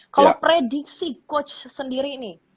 kalau prediksi coach sendiri nih